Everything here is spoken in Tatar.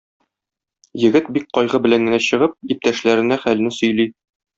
Егет, бик кайгы белән генә чыгып, иптәшләренә хәлне сөйли.